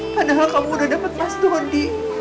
padahal kamu udah dapet mas dondi